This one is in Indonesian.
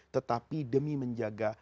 tetapi demi menjaga